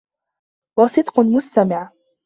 وَصِدْقٌ مُسْتَمَعٌ